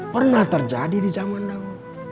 pernah terjadi di zaman dahulu